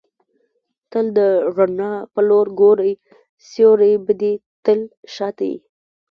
تل د رڼا پر لوري ګورئ! سیوری به دي تل شاته يي.